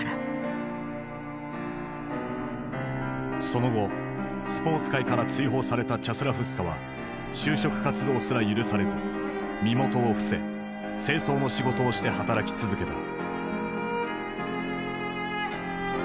その後スポーツ界から追放されたチャスラフスカは就職活動すら許されず身元を伏せ清掃の仕事をして働き続けた。